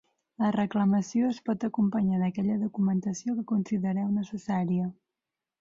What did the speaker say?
La reclamació es pot acompanyar d'aquella documentació que considereu necessària.